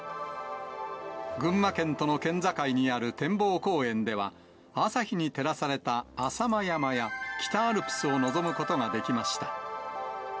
群馬県との県境にある展望公園では、朝日に照らされた浅間山や北アルプスを望むことができました。